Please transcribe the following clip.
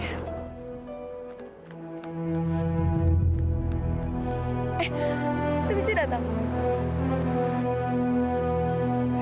eh tapi si datang